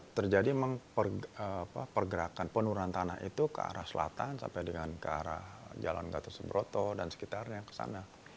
terjadi memang pergerakan penurunan tanah itu ke arah selatan sampai dengan ke arah jalan gatot subroto dan sekitarnya ke sana